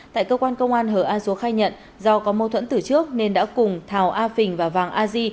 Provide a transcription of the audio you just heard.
tại cơ quan công an hờ a dúa khai nhận do có mâu thuẫn từ trước nên đã cùng thảo a phình và vàng a di